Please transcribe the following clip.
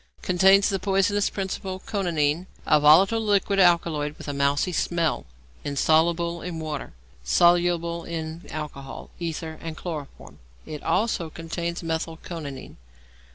Contains the poisonous principle coniine, a volatile liquid alkaloid with a mousy smell; insoluble in water; soluble in alcohol, ether, and chloroform. It also contains methyl coniine.